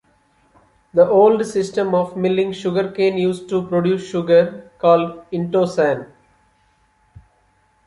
The old system of milling sugar cane used to produce sugar, called "intosan".